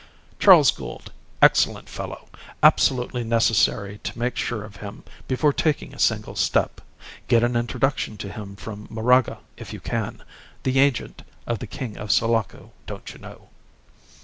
"Charles Gould; excellent fellow! Absolutely necessary to make sure of him before taking a single step. Get an introduction to him from Moraga if you can the agent of the King of Sulaco, don't you know."